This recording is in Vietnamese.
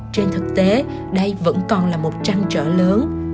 trên thực tế đây vẫn còn là một trăn trở lớn